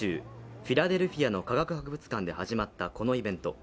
フィラデルフィアの科学博物館で始まったこのイベント。